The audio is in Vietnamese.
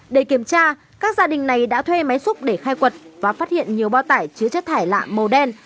để kiểm tra các gia đình này đã thuê máy xúc để khai quật và phát hiện nhiều bao tải chứa chất thải lạ màu đen